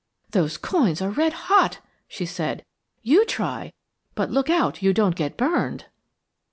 "Those coins are red hot," she said. "You try but look out you don't get burned."